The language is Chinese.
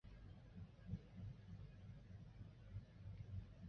俄罗斯东方航空是一家总部位于伯力的俄罗斯区域航空公司。